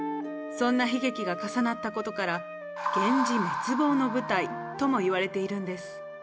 そんな悲劇が重なった事から源氏滅亡の舞台ともいわれているんです。